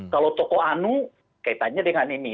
kalau tokoh anu kaitannya dengan ini